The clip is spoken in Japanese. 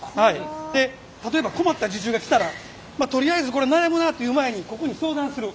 で例えば困った受注が来たらとりあえずこれ悩むなという前にここに相談する。